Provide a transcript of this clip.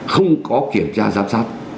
không có kiểm tra giám sát